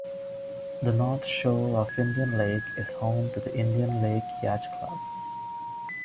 The north shore of Indian Lake is home to the Indian Lake Yacht Club.